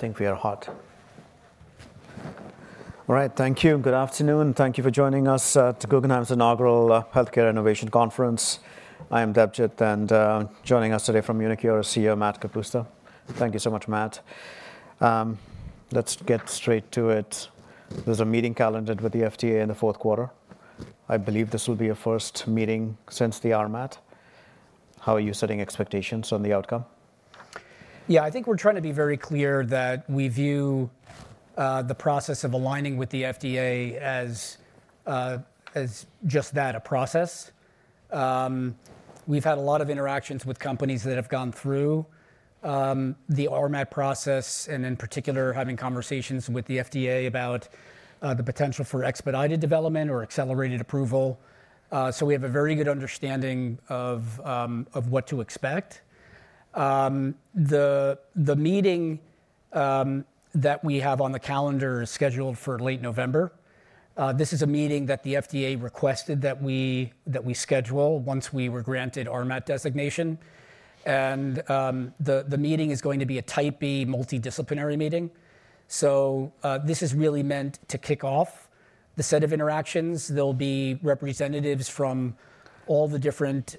I think we are hot. All right, thank you. Good afternoon. Thank you for joining us at Guggenheim's inaugural Healthcare Innovation Conference. I am Debjit, and joining us today from uniQure is CEO Matt Kapusta. Thank you so much, Matt. Let's get straight to it. There's a meeting calendared with the FDA in the fourth quarter. I believe this will be your first meeting since the RMAT? How are you setting expectations on the outcome? Yeah, I think we're trying to be very clear that we view the process of aligning with the FDA as just that, a process. We've had a lot of interactions with companies that have gone through the RMAT process, and in particular, having conversations with the FDA about the potential for expedited development or accelerated approval. So we have a very good understanding of what to expect. The meeting that we have on the calendar is scheduled for late November. This is a meeting that the FDA requested that we schedule once we were granted RMAT designation. And the meeting is going to be a type B multidisciplinary meeting. So this is really meant to kick off the set of interactions. There'll be representatives from all the different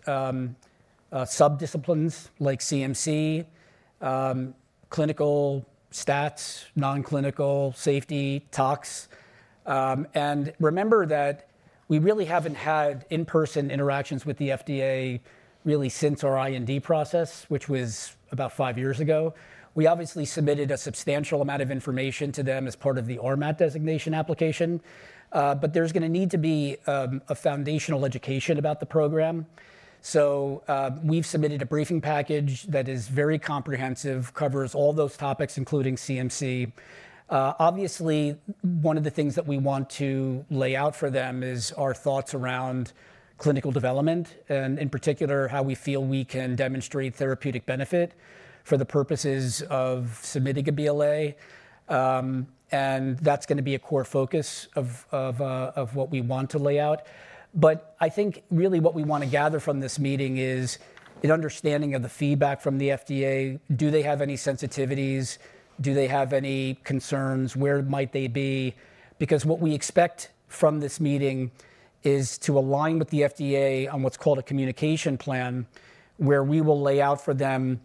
subdisciplines, like CMC, clinical stats, non-clinical, safety, tox. Remember that we really haven't had in-person interactions with the FDA really since our IND process, which was about five years ago. We obviously submitted a substantial amount of information to them as part of the RMAT designation application. There's going to need to be a foundational education about the program. We've submitted a briefing package that is very comprehensive, covers all those topics, including CMC. Obviously, one of the things that we want to lay out for them is our thoughts around clinical development, and in particular, how we feel we can demonstrate therapeutic benefit for the purposes of submitting a BLA. That's going to be a core focus of what we want to lay out. I think really what we want to gather from this meeting is an understanding of the feedback from the FDA. Do they have any sensitivities? Do they have any concerns? Where might they be? Because what we expect from this meeting is to align with the FDA on what's called a communication plan, where we will lay out for them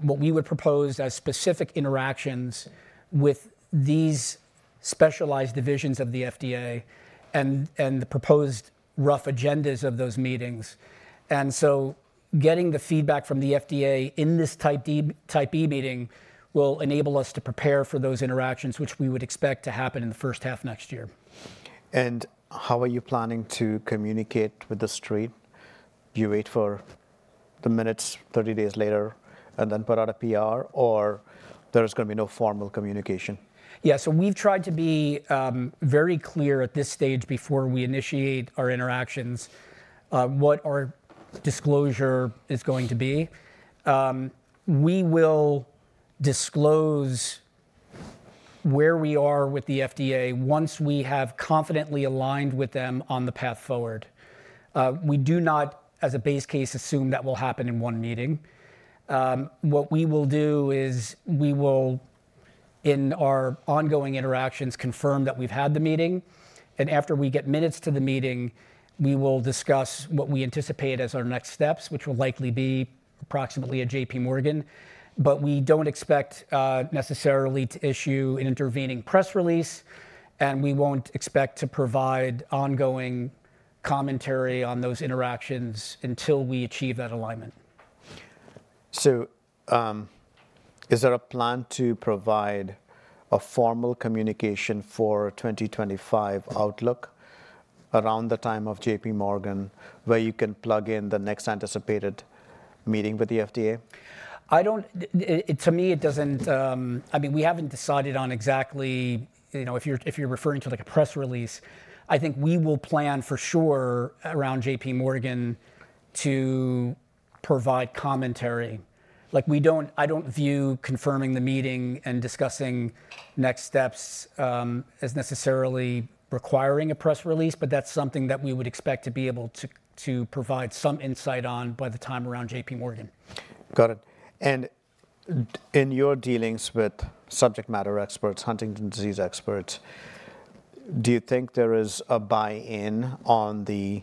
what we would propose as specific interactions with these specialized divisions of the FDA and the proposed rough agendas of those meetings. And so getting the feedback from the FDA in this Type B meeting will enable us to prepare for those interactions, which we would expect to happen in the first half next year. How are you planning to communicate with the street? Do you wait for the minutes 30 days later and then put out a PR, or there's going to be no formal communication? Yeah, so we've tried to be very clear at this stage before we initiate our interactions what our disclosure is going to be. We will disclose where we are with the FDA once we have confidently aligned with them on the path forward. We do not, as a base case, assume that will happen in one meeting. What we will do is we will, in our ongoing interactions, confirm that we've had the meeting, and after we get minutes to the meeting, we will discuss what we anticipate as our next steps, which will likely be approximately a JPMorgan, but we don't expect necessarily to issue an intervening press release, and we won't expect to provide ongoing commentary on those interactions until we achieve that alignment. Is there a plan to provide a formal communication for 2025 outlook around the time of JPMorgan, where you can plug in the next anticipated meeting with the FDA? I don't, to me, it doesn't. I mean, we haven't decided on exactly, you know, if you're referring to like a press release. I think we will plan for sure around JPMorgan to provide commentary. Like, we don't. I don't view confirming the meeting and discussing next steps as necessarily requiring a press release, but that's something that we would expect to be able to provide some insight on by the time around JPMorgan. Got it. And in your dealings with subject matter experts, Huntington's disease experts, do you think there is a buy-in on the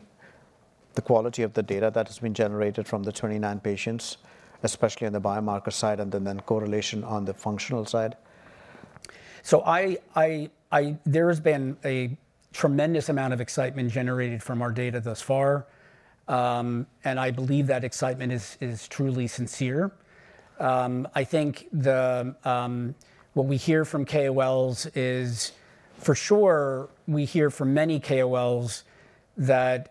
quality of the data that has been generated from the 29 patients, especially on the biomarker side, and then correlation on the functional side? So there has been a tremendous amount of excitement generated from our data thus far. And I believe that excitement is truly sincere. I think what we hear from KOLs is, for sure, we hear from many KOLs that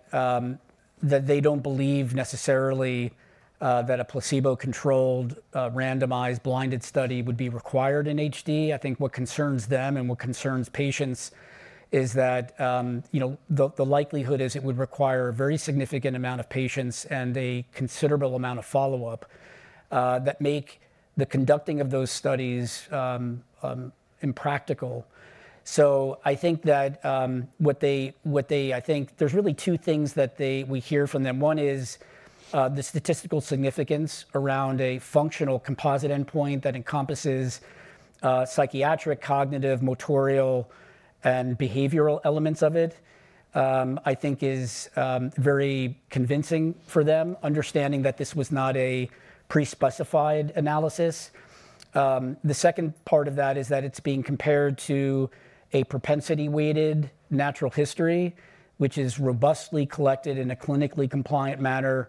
they don't believe necessarily that a placebo-controlled, randomized, blinded study would be required in HD. I think what concerns them and what concerns patients is that, you know, the likelihood is it would require a very significant amount of patients and a considerable amount of follow-up that make the conducting of those studies impractical. So I think that what they, I think there's really two things that we hear from them. One is the statistical significance around a functional composite endpoint that encompasses psychiatric, cognitive, motor, and behavioral elements of it. I think is very convincing for them, understanding that this was not a pre-specified analysis. The second part of that is that it's being compared to a propensity-weighted natural history, which is robustly collected in a clinically compliant manner,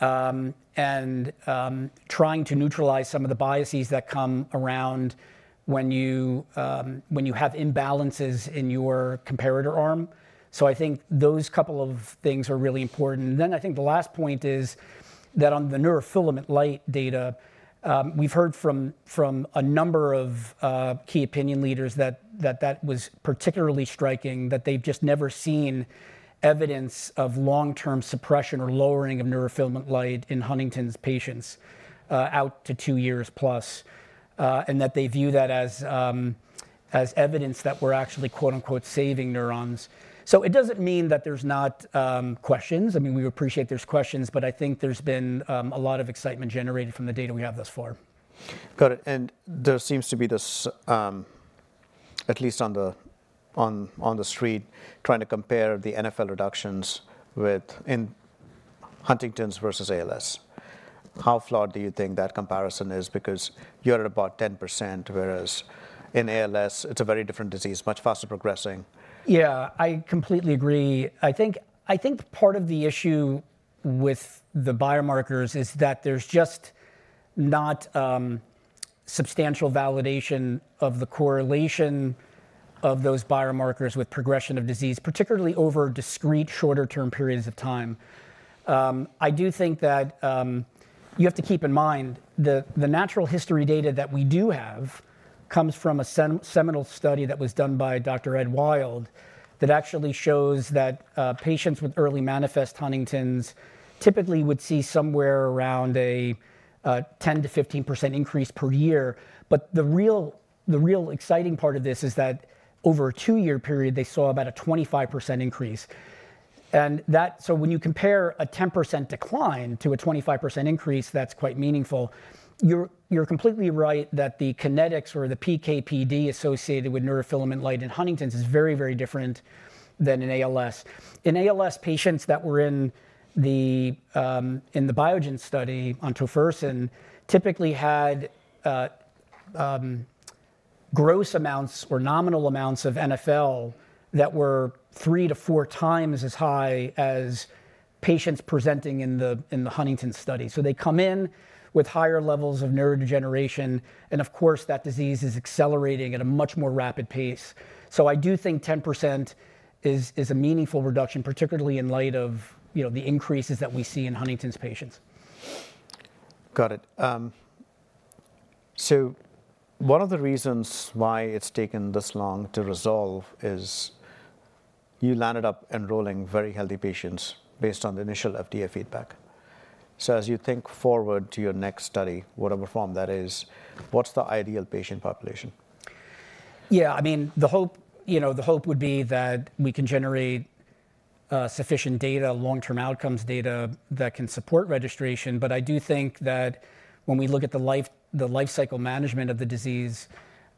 and trying to neutralize some of the biases that come around when you have imbalances in your comparator arm. So I think those couple of things are really important. And then I think the last point is that on the neurofilament light data, we've heard from a number of key opinion leaders that that was particularly striking, that they've just never seen evidence of long-term suppression or lowering of neurofilament light in Huntington's patients out to 2+ years, and that they view that as evidence that we're actually quote unquote saving neurons. So it doesn't mean that there's not questions. I mean, we appreciate there's questions, but I think there's been a lot of excitement generated from the data we have thus far. Got it. There seems to be this, at least on the street, trying to compare the NfL reductions with Huntington's versus ALS. How flawed do you think that comparison is? Because you're at about 10%, whereas in ALS, it's a very different disease, much faster progressing. Yeah, I completely agree. I think part of the issue with the biomarkers is that there's just not substantial validation of the correlation of those biomarkers with progression of disease, particularly over discrete shorter-term periods of time. I do think that you have to keep in mind the natural history data that we do have comes from a seminal study that was done by Dr. Ed Wild that actually shows that patients with early manifest Huntington's typically would see somewhere around a 10%-15% increase per year. But the real exciting part of this is that over a two-year period, they saw about a 25% increase, and that, so when you compare a 10% decline to a 25% increase, that's quite meaningful. You're completely right that the kinetics or the PKPD associated with neurofilament light in Huntington's is very, very different than in ALS. In ALS patients that were in the Biogen study, Tofersen typically had gross amounts or nominal amounts of NfL that were 3x to 4x as high as patients presenting in the Huntington's study, so they come in with higher levels of neurodegeneration, and of course, that disease is accelerating at a much more rapid pace, so I do think 10% is a meaningful reduction, particularly in light of the increases that we see in Huntington's patients. Got it. So one of the reasons why it's taken this long to resolve is you ended up enrolling very healthy patients based on the initial FDA feedback. So as you think forward to your next study, whatever form that is, what's the ideal patient population? Yeah, I mean, the hope would be that we can generate sufficient data, long-term outcomes data that can support registration. But I do think that when we look at the life cycle management of the disease,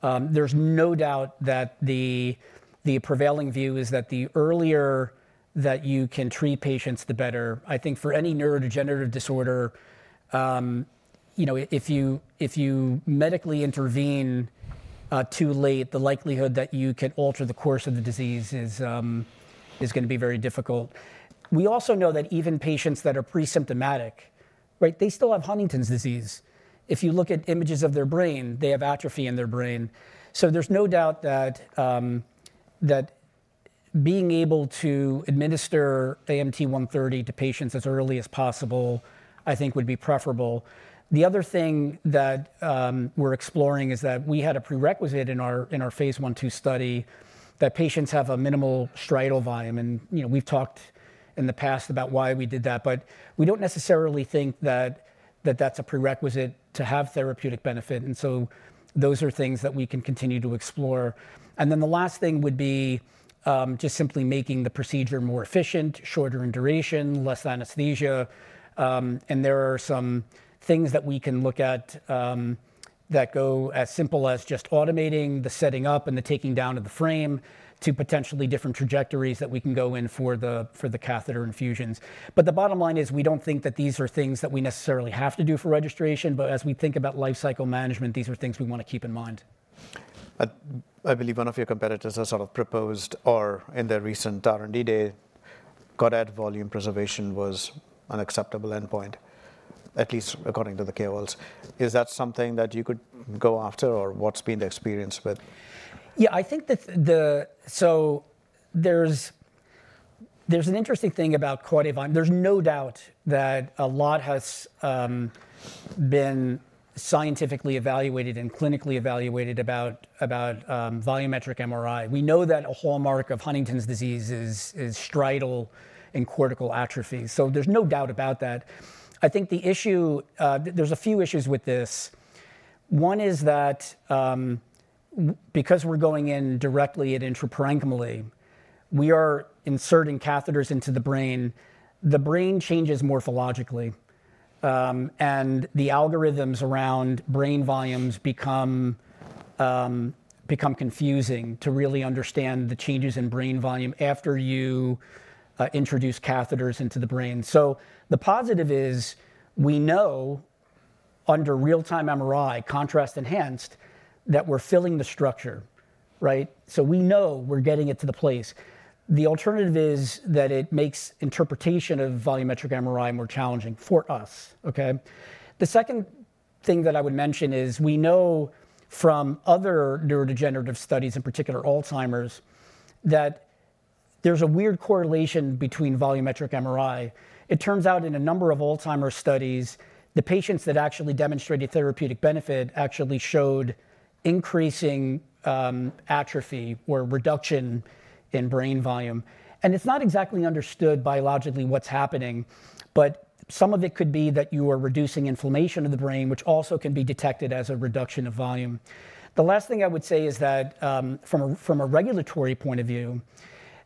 there's no doubt that the prevailing view is that the earlier that you can treat patients, the better. I think for any neurodegenerative disorder, you know, if you medically intervene too late, the likelihood that you can alter the course of the disease is going to be very difficult. We also know that even patients that are pre-symptomatic, right, they still have Huntington's disease. If you look at images of their brain, they have atrophy in their brain. So there's no doubt that being able to administer AMT-130 to patients as early as possible, I think would be preferable. The other thing that we're exploring is that we had a prerequisite in our phase 1/2 study that patients have a minimal striatal volume. And we've talked in the past about why we did that, but we don't necessarily think that that's a prerequisite to have therapeutic benefit. And so those are things that we can continue to explore. Then the last thing would be just simply making the procedure more efficient, shorter in duration, less anesthesia. And there are some things that we can look at that go as simple as just automating the setting up and the taking down of the frame to potentially different trajectories that we can go in for the catheter infusions. But the bottom line is we don't think that these are things that we necessarily have to do for registration. But as we think about life cycle management, these are things we want to keep in mind. I believe one of your competitors has sort of proposed, or in their recent R&D day, caudate volume preservation was an acceptable endpoint, at least according to the KOLs. Is that something that you could go after, or what's been the experience with? Yeah, I think that the, so there's an interesting thing about caudate volume. There's no doubt that a lot has been scientifically evaluated and clinically evaluated about volumetric MRI. We know that a hallmark of Huntington's disease is striatal and cortical atrophy. So there's no doubt about that. I think the issue, there's a few issues with this. One is that because we're going in directly and intraparenchymally, we are inserting catheters into the brain. The brain changes morphologically. And the algorithms around brain volumes become confusing to really understand the changes in brain volume after you introduce catheters into the brain. So the positive is we know under real-time MRI, contrast-enhanced, that we're filling the structure, right? So we know we're getting it to the place. The alternative is that it makes interpretation of volumetric MRI more challenging for us, okay? The second thing that I would mention is we know from other neurodegenerative studies, in particular Alzheimer's, that there's a weird correlation between volumetric MRI. It turns out in a number of Alzheimer's studies, the patients that actually demonstrated therapeutic benefit actually showed increasing atrophy or reduction in brain volume, and it's not exactly understood biologically what's happening, but some of it could be that you are reducing inflammation of the brain, which also can be detected as a reduction of volume. The last thing I would say is that from a regulatory point of view,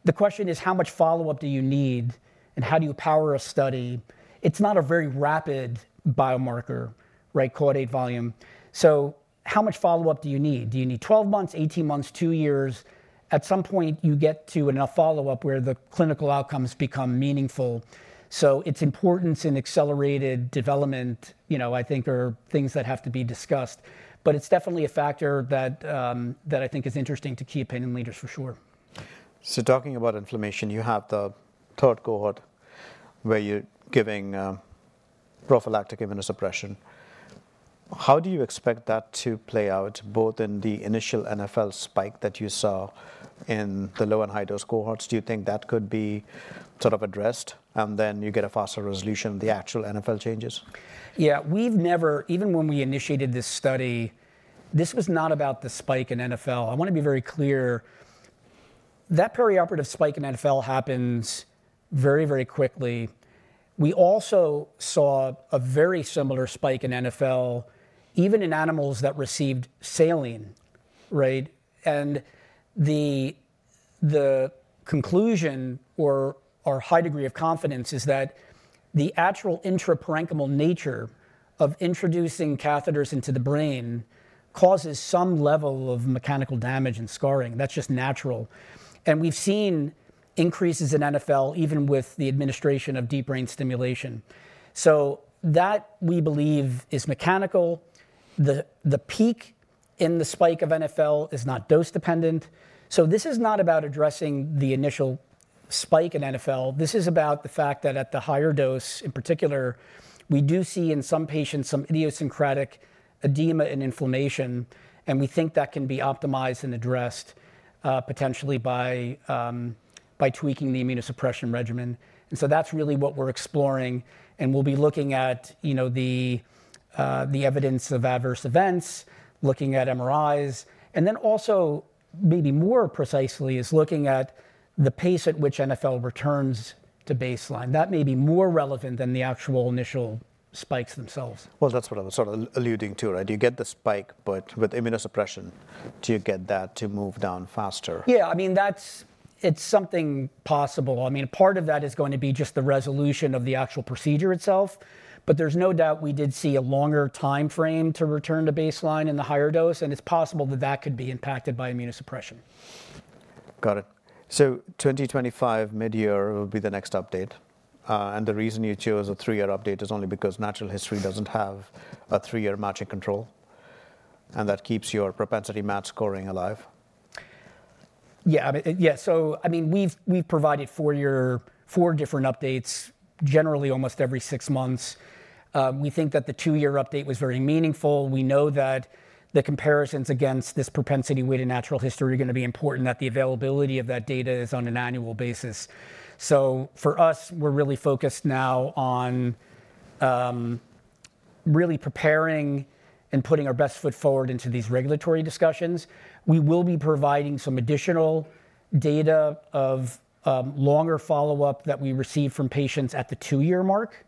the question is how much follow-up do you need and how do you power a study? It's not a very rapid biomarker, right, caudate volume. So how much follow-up do you need? Do you need 12 months, 18 months, two years? At some point, you get to enough follow-up where the clinical outcomes become meaningful. So it's importance in accelerated development, you know, I think are things that have to be discussed. But it's definitely a factor that I think is interesting to key opinion leaders for sure. So talking about inflammation, you have the third cohort where you're giving prophylactic immunosuppression. How do you expect that to play out both in the initial NfL spike that you saw in the low and high dose cohorts? Do you think that could be sort of addressed and then you get a faster resolution of the actual NfL changes? Yeah, we've never, even when we initiated this study, this was not about the spike in NfL. I want to be very clear. That perioperative spike in NfL happens very, very quickly. We also saw a very similar spike in NfL, even in animals that received saline, right? And the conclusion or high degree of confidence is that the actual intraparenchymal nature of introducing catheters into the brain causes some level of mechanical damage and scarring. That's just natural. And we've seen increases in NfL even with the administration of deep brain stimulation. So that we believe is mechanical. The peak in the spike of NfL is not dose-dependent. So this is not about addressing the initial spike in NfL. This is about the fact that at the higher dose, in particular, we do see in some patients some idiosyncratic edema and inflammation. And we think that can be optimized and addressed potentially by tweaking the immunosuppression regimen. And so that's really what we're exploring. And we'll be looking at the evidence of adverse events, looking at MRIs. And then also maybe more precisely is looking at the pace at which NfL returns to baseline. That may be more relevant than the actual initial spikes themselves. That’s what I was sort of alluding to, right? You get the spike, but with immunosuppression, do you get that to move down faster? Yeah, I mean, that's something possible. I mean, part of that is going to be just the resolution of the actual procedure itself. But there's no doubt we did see a longer timeframe to return to baseline in the higher dose. And it's possible that that could be impacted by immunosuppression. Got it. So 2025 mid-year will be the next update. And the reason you chose a three-year update is only because natural history doesn't have a three-year matching control. And that keeps your propensity match scoring alive. Yeah, I mean, yeah, so I mean, we've provided four different updates generally almost every six months. We think that the two-year update was very meaningful. We know that the comparisons against this propensity-weighted natural history are going to be important, that the availability of that data is on an annual basis. So for us, we're really focused now on really preparing and putting our best foot forward into these regulatory discussions. We will be providing some additional data of longer follow-up that we receive from patients at the two-year mark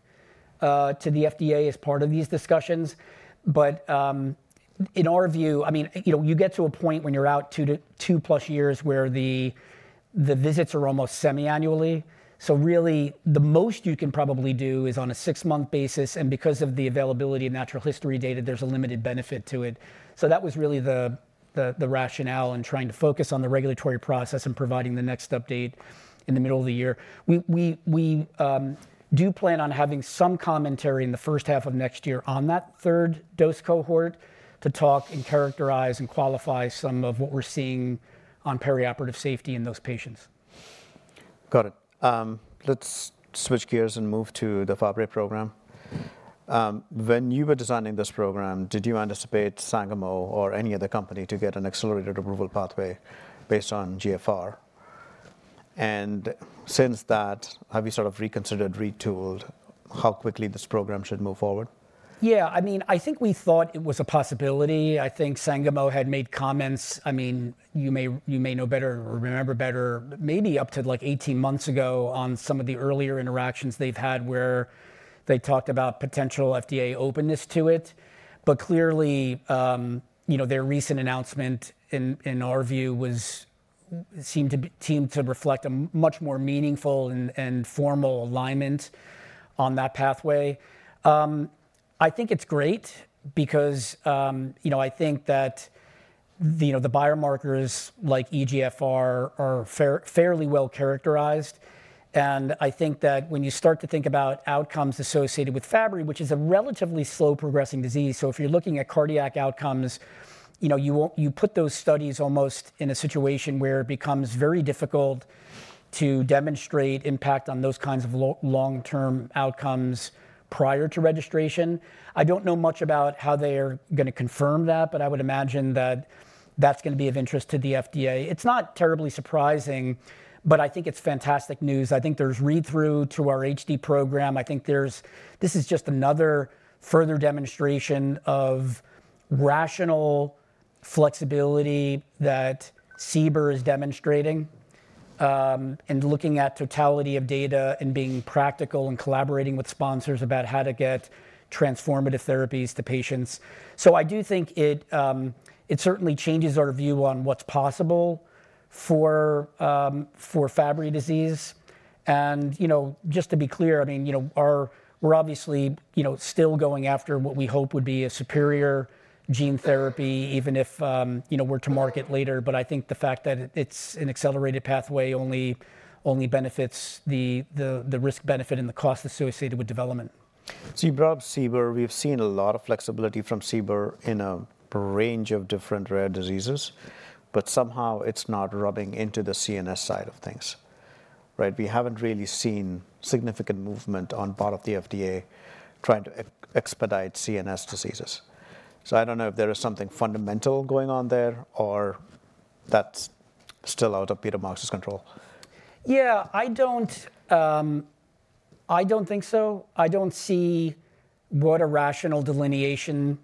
to the FDA as part of these discussions. But in our view, I mean, you get to a point when you're out 2+ years where the visits are almost semi-annually. So really, the most you can probably do is on a six-month basis. And because of the availability of natural history data, there's a limited benefit to it. So that was really the rationale in trying to focus on the regulatory process and providing the next update in the middle of the year. We do plan on having some commentary in the first half of next year on that third dose cohort to talk and characterize and qualify some of what we're seeing on perioperative safety in those patients. Got it. Let's switch gears and move to the Fabry program. When you were designing this program, did you anticipate Sangamo or any other company to get an accelerated approval pathway based on GFR? And since that, have you sort of reconsidered, retooled how quickly this program should move forward? Yeah, I mean, I think we thought it was a possibility. I think Sangamo had made comments. I mean, you may know better or remember better, maybe up to like 18 months ago on some of the earlier interactions they've had where they talked about potential FDA openness to it. But clearly, you know, their recent announcement in our view seemed to reflect a much more meaningful and formal alignment on that pathway. I think it's great because, you know, I think that the biomarkers like eGFR are fairly well characterized. And I think that when you start to think about outcomes associated with Fabry, which is a relatively slow progressing disease, so if you're looking at cardiac outcomes, you know, you put those studies almost in a situation where it becomes very difficult to demonstrate impact on those kinds of long-term outcomes prior to registration. I don't know much about how they're going to confirm that, but I would imagine that that's going to be of interest to the FDA. It's not terribly surprising, but I think it's fantastic news. I think there's read-through to our HD program. I think this is just another further demonstration of rational flexibility that CBER is demonstrating and looking at totality of data and being practical and collaborating with sponsors about how to get transformative therapies to patients. So I do think it certainly changes our view on what's possible for Fabry disease. And, you know, just to be clear, I mean, you know, we're obviously, you know, still going after what we hope would be a superior gene therapy, even if, you know, we're to market later. But I think the fact that it's an accelerated pathway only benefits the risk-benefit and the cost associated with development. So you brought up CBER. We've seen a lot of flexibility from CBER in a range of different rare diseases, but somehow it's not rubbing into the CNS side of things, right? We haven't really seen significant movement on part of the FDA trying to expedite CNS diseases. So I don't know if there is something fundamental going on there or that's still out of Peter Marks' control. Yeah, I don't think so. I don't see what a rational delineation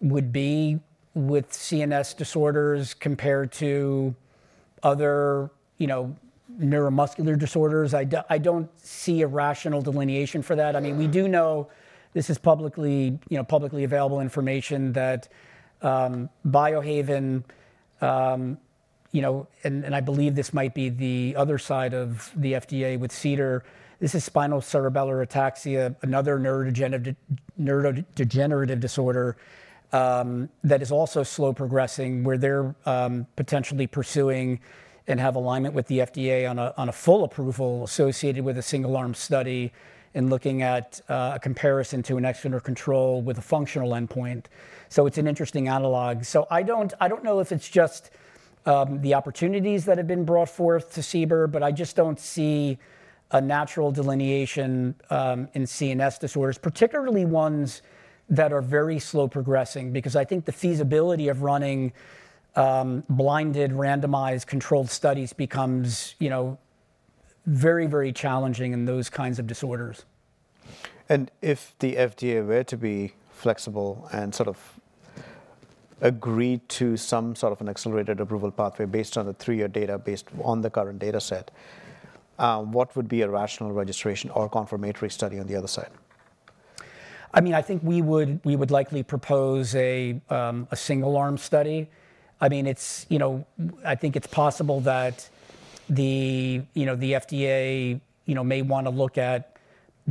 would be with CNS disorders compared to other, you know, neuromuscular disorders. I don't see a rational delineation for that. I mean, we do know this is publicly available information that Biohaven, you know, and I believe this might be the other side of the FDA with CDER, this is spinocerebellar ataxia, another neurodegenerative disorder that is also slow progressing where they're potentially pursuing and have alignment with the FDA on a full approval associated with a single-arm study and looking at a comparison to an external control with a functional endpoint. So it's an interesting analog. So I don't know if it's just the opportunities that have been brought forth to CBER, but I just don't see a natural delineation in CNS disorders, particularly ones that are very slow progressing, because I think the feasibility of running blinded, randomized, controlled studies becomes, you know, very, very challenging in those kinds of disorders. If the FDA were to be flexible and sort of agree to some sort of an accelerated approval pathway based on the three-year data based on the current data set, what would be a rational registration or confirmatory study on the other side? I mean, I think we would likely propose a single-arm study. I mean, it's, you know, I think it's possible that the, you know, the FDA, you know, may want to look at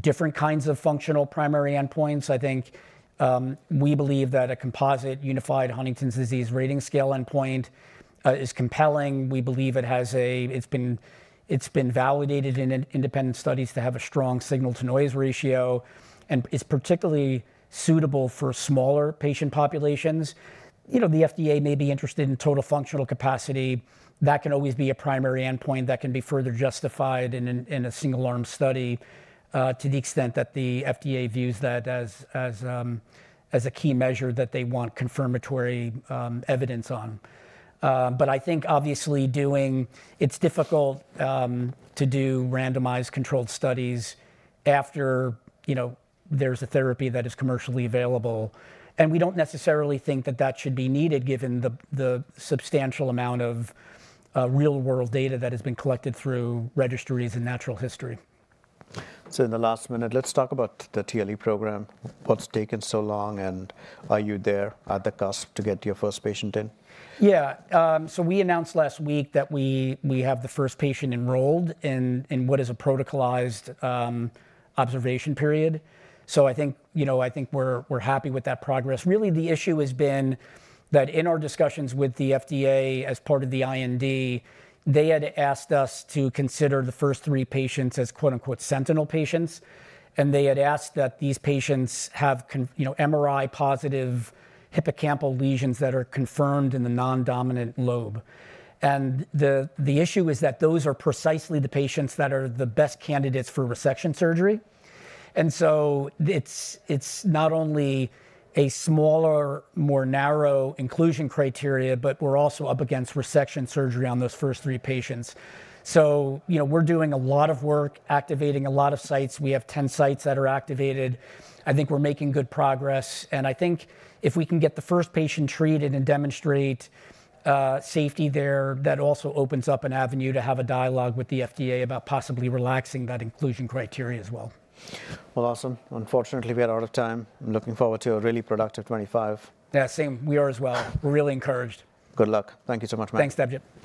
different kinds of functional primary endpoints. I think we believe that a Composite Unified Huntington's Disease Rating Scale endpoint is compelling. We believe it has a, it's been validated in independent studies to have a strong signal-to-noise ratio and is particularly suitable for smaller patient populations. You know, the FDA may be interested in total functional capacity. That can always be a primary endpoint that can be further justified in a single-arm study to the extent that the FDA views that as a key measure that they want confirmatory evidence on. But I think obviously doing, it's difficult to do randomized controlled studies after, you know, there's a therapy that is commercially available. We don't necessarily think that that should be needed given the substantial amount of real-world data that has been collected through registries and natural history. So in the last minute, let's talk about the TLE program. What's taken so long and are you there at the cusp to get your first patient in? Yeah, so we announced last week that we have the first patient enrolled in what is a protocolized observation period. So I think, you know, I think we're happy with that progress. Really, the issue has been that in our discussions with the FDA as part of the IND, they had asked us to consider the first three patients as quote-unquote "sentinel patients." And they had asked that these patients have, you know, MRI positive hippocampal lesions that are confirmed in the non-dominant lobe. And the issue is that those are precisely the patients that are the best candidates for resection surgery. So it's not only a smaller, more narrow inclusion criteria, but we're also up against resection surgery on those first three patients. So, you know, we're doing a lot of work, activating a lot of sites. We have 10 sites that are activated. I think we're making good progress, and I think if we can get the first patient treated and demonstrate safety there, that also opens up an avenue to have a dialogue with the FDA about possibly relaxing that inclusion criteria as well. Well, awesome. Unfortunately, we are out of time. I'm looking forward to a really productive 2025. Yeah, same. We are as well. We're really encouraged. Good luck. Thank you so much, Matt. Thanks, Debjit.